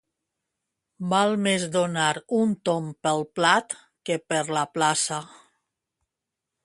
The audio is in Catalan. Val més donar un tomb pel plat que per la plaça.